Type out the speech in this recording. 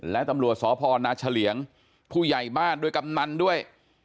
และตำรวจสพนาเฉลี่ยงผู้ใหญ่บ้านด้วยกำนันด้วย